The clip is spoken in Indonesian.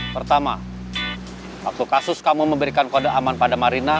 pertama waktu kasus kamu memberikan kode aman pada marina